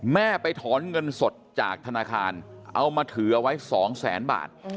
แม่ไปถอนเงินสดจากธนาคารเอามาถือเอาไว้๒แสนบาท